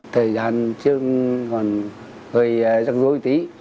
thời gian trước còn hơi rắc rối tí